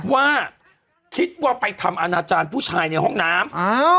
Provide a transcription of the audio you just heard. ว่าคิดว่าไปทำอนาจารย์ผู้ชายในห้องน้ำ